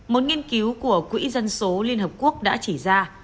một nghiên cứu của quỹ dân số liên hợp quốc đã chỉ ra